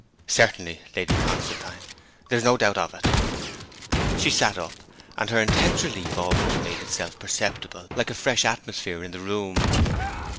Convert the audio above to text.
'Certainly, Lady Constantine; there is no doubt of it.' She sat up, and her intense relief almost made itself perceptible like a fresh atmosphere in the room.